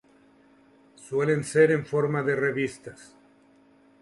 Suelen ser en forma de revista.